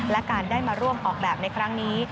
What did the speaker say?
และการได้มาร่วมออกแบบในครั้งนี้